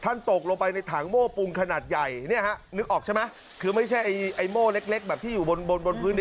ตกลงไปในถังโม้ปูนขนาดใหญ่เนี่ยฮะนึกออกใช่ไหมคือไม่ใช่ไอ้โม่เล็กแบบที่อยู่บนบนพื้น